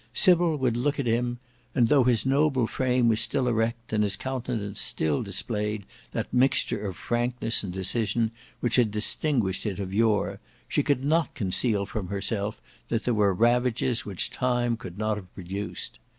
Sybil would look at him, and though his noble frame was still erect and his countenance still displayed that mixture of frankness and decision which had distinguished it of yore, she could not conceal from herself that there were ravages which time could not have produced.